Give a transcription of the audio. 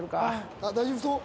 あっ大丈夫そう。